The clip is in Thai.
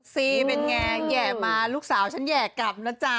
ซีเป็นอย่างไรแหย่มาลูกสาวฉันแหย่กลับนะจ๊ะ